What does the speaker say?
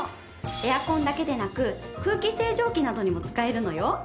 エアコンだけでなく空気清浄機などにも使えるのよ。